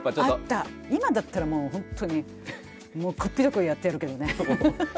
今だったらもう本当にこっぴどくやってやるけどね。